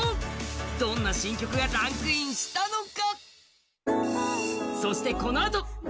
どんな新曲がランクインしたのか？